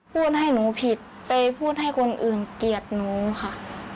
พูดให้หนูผิดไปพูดให้คนอื่นเกลียดหนูค่ะ